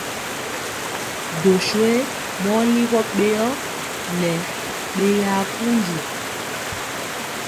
Doswe mɔ ligɔ ɓeyɔ nɛ ɓeyaa pundi.